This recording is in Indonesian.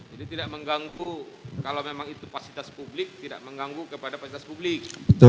jadi tidak mengganggu kalau memang itu pasitas publik tidak mengganggu kepada pasitas publik